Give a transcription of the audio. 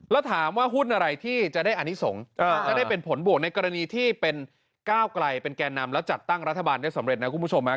แล้วถามว่าหุ้นอะไรที่จะได้อนิสงฆ์จะได้เป็นผลบวกในกรณีที่เป็นก้าวไกลเป็นแก่นำแล้วจัดตั้งรัฐบาลได้สำเร็จนะคุณผู้ชม